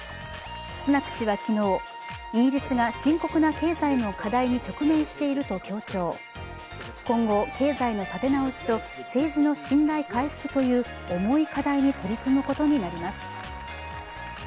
スナク氏は昨日、イギリスが深刻な経済の課題に直面していると強調、今後、経済の立て直しと政治の信頼回復という重い課題に取り組むことになります。